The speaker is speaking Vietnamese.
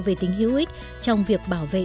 về tính hữu ích trong việc bảo vệ